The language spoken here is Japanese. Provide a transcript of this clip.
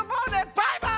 バイバイ！